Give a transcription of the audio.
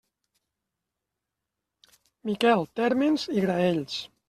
Miquel Térmens i Graells.